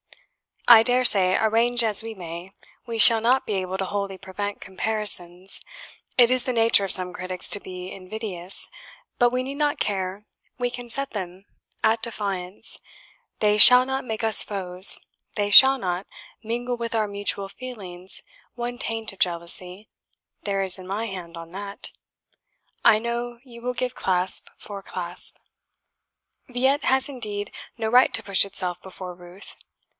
"I dare say, arrange as we may, we shall not be able wholly to prevent comparisons; it is the nature of some critics to be invidious; but we need not care we can set them at defiance; they SHALL not make us foes, they SHALL not mingle with our mutual feelings one taint of jealousy there is my hand on that; I know you will give clasp for clasp. "'Villette' has indeed no right to push itself before 'Ruth.'